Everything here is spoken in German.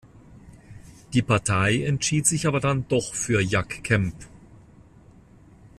Die Partei entschied sich aber dann doch für Jack Kemp.